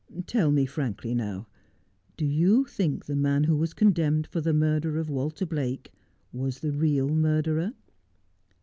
' Tell me frankly, now, do you think the man who was condemned for the murder of "Walter Blake was the real murderer